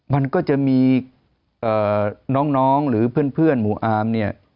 มันก็จะมีน้องหรือเพื่อนหมู่อาร์มเนี่ย